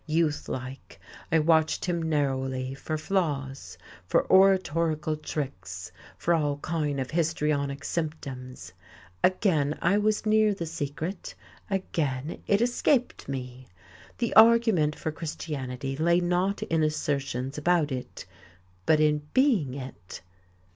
Youthlike, I watched him narrowly for flaws, for oratorical tricks, for all kinds of histrionic symptoms. Again I was near the secret; again it escaped me. The argument for Christianity lay not in assertions about it, but in being it.